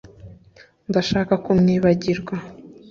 Ndashaka kumwibagirwa